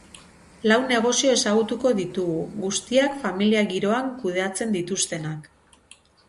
Lau negozio ezagutuko ditugu, guztiak familia giroan kudeatzen dituztenak.